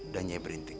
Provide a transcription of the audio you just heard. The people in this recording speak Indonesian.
dan nyai berintik